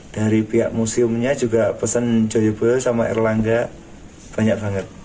dari pihak museumnya juga pesan joyobo sama erlangga banyak banget